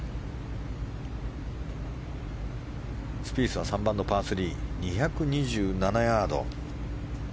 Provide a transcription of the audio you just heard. スピースは３番のパー３２２７ヤード。